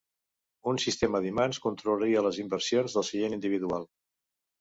Un sistema d'imants controlaria les inversions del seient individual.